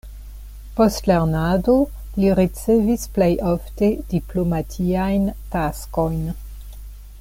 Post lernado li ricevis plej ofte diplomatiajn taskojn.